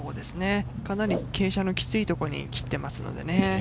かなり傾斜のきついところに切ってますのでね。